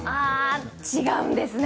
違うんですね。